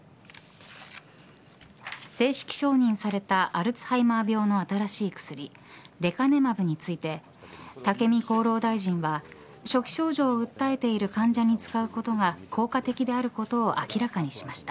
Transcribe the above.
正式承認されたアルツハイマー病の新しい薬レカネマブについて武見厚労大臣は初期症状を訴えている患者に使うことが効果的であることを明らかにしました。